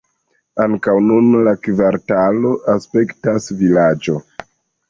Ankaŭ nun la kvartalo aspektas vilaĝo.